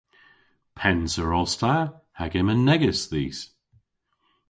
Pennser os ta hag yma negys dhis.